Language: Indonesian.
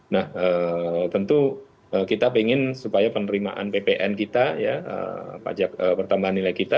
nah tentu kita ingin supaya penerimaan ppn kita ya pajak pertambahan nilai kita